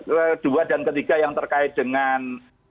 kedua dan ketiga yang terkait dengan